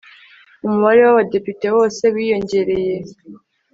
umubare wabadepite wose wiyongereye